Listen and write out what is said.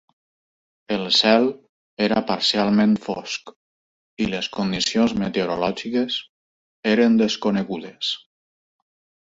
El cel era parcialment fosc i les condicions meteorològiques eren desconegudes.